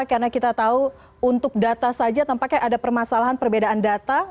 karena kita tahu untuk data saja tampaknya ada permasalahan perbedaan data